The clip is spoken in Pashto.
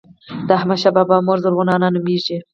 د احمدشاه بابا مور زرغونه انا نوميږي.